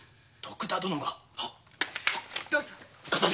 徳田殿が？